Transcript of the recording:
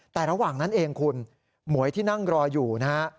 แต่ระหว่างนั้นเองคุณหมวยที่นั่งรออยู่นะฮะ